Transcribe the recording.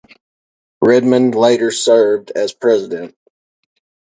Redmond later served as president.